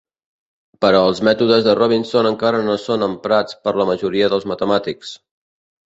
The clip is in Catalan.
Però els mètodes de Robinson encara no són emprats per la majoria dels matemàtics.